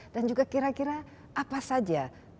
dan juga kira kira apa saja tantangannya